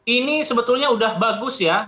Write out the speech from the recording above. ini sebetulnya sudah bagus ya